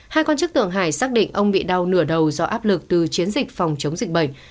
hai quan chức thượng hải xác định ông bị đau nửa đầu do áp lực từ chiến dịch phòng chống dịch bệnh